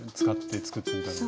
使って作ってみた。